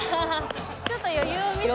ちょっと余裕を見せた。